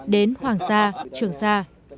đến hoàng sa trường sa